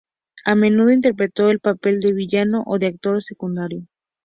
A menudo interpretó el papel de villano o de actor secundario.